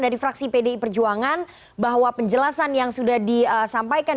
dari fraksi pdi perjuangan bahwa penjelasan yang sudah disampaikan